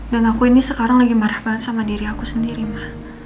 dan aku ini sekarang lagi marah banget sama diri aku sendiri ma